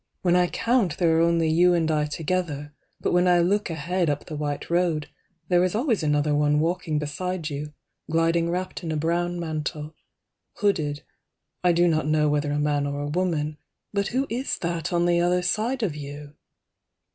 When I count, there are only you and I together 360 But when I look ahead up the white road There is always another one walking beside you Gliding wrapt in a brown mantle, hooded I do not know whether a man or a woman —But who is that on the other side of you?